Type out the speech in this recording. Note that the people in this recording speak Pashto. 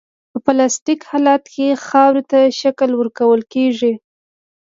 په پلاستیک حالت کې خاورې ته شکل ورکول کیږي